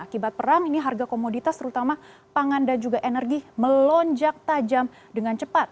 akibat perang ini harga komoditas terutama pangan dan juga energi melonjak tajam dengan cepat